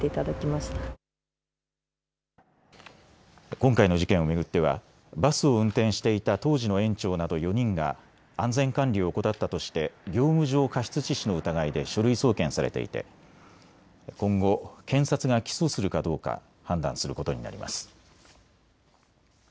今回の事件を巡ってはバスを運転していた当時の園長など４人が安全管理を怠ったとして業務上過失致死の疑いで書類送検されていて今後、検察が起訴するかどうか判断することになります。